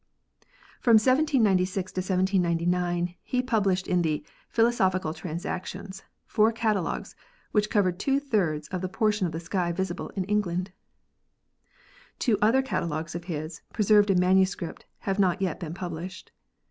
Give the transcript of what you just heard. From 1796 to 1799 he pub lished in the 'Philosophical Transactions' four catalogues which covered two thirds of the portion of the sky visible in England. Two other catalogues of his, preserved in manuscript, have not yet been published.